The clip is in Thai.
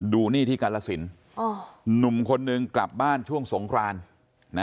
ดูนี่ที่กาลสินหนุ่มคนนึงกลับบ้านช่วงสงคราน